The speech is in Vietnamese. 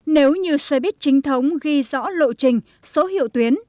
nếu như xe buýt chính thống ghi rõ lộ trình số hiệu tuyến